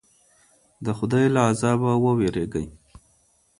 د خدای له عذابه وویریږئ.